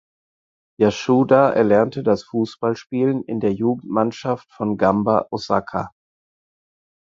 Yasuda erlernte das Fußballspielen in der Jugendmannschaft von Gamba Osaka.